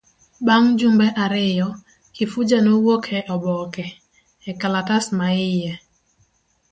Bang' jumbe ariyo, Kifuja nowuok e oboke, e lkalatas maiye.